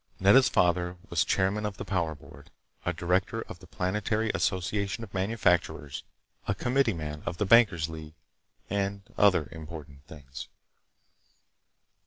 Nedda's father was Chairman of the Power Board, a director of the Planetary Association of Manufacturers, a committeeman of the Banker's League, and other important things.